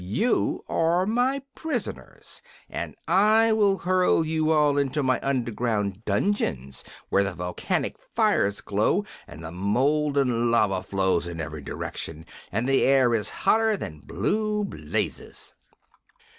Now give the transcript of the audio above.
You are my prisoners, and I will hurl you all into my underground dungeons, where the volcanic fires glow and the molten lava flows in every direction, and the air is hotter than blue blazes."